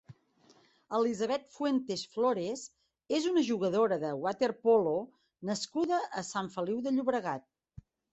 Elisabeth Fuentes Flores és una jugadora de waterpolo nascuda a Sant Feliu de Llobregat.